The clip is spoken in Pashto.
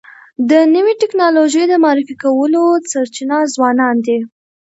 د نوې ټکنالوژی د معرفي کولو سرچینه ځوانان دي.